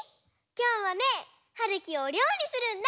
きょうはねはるきおりょうりするんだ！